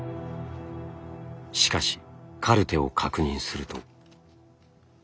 しかしカルテを確認すると。